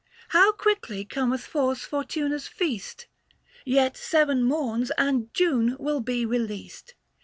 How quickly cometh Fors Fortuna's feast ! Yet seven morns and June will be released.